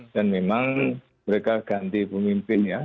dan memang mereka ganti pemimpinnya